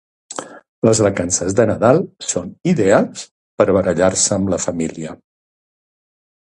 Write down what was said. Les vacances de Nadal són ideals per barallar-se amb la famíla